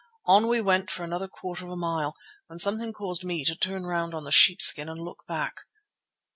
On we went for another quarter of a mile, when something caused me to turn round on the sheepskin and look back.